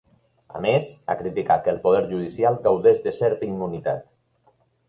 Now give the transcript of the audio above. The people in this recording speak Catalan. A més, ha criticat que el poder judicial gaudeix de certa immunitat.